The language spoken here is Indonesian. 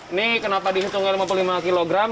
ini kenapa dihitungkan lima puluh lima kilogram